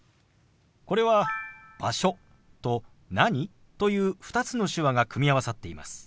これは「場所」と「何？」という２つの手話が組み合わさっています。